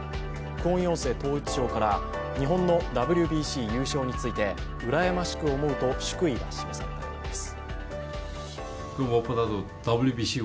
クォン・ヨンセ統一相から日本のＷＢＣ優勝についてうらやましく思うと祝意を示されたようです。